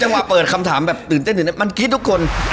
จังหวะเปิดคำถามแบบตื่นเต้นมันคิดทุกคน